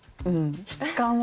質感は？